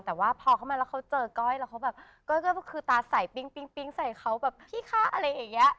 แต่ว่าพอเข้ามาแล้วเขาเจอก้อยแล้วเขาแบบก้อยก็คือตาใส่ปิ๊งใส่เขาแบบพี่คะอะไรอย่างนี้